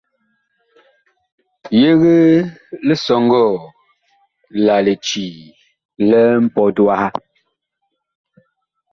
Yegee lisɔŋgɔɔ la licii li mpɔt waha.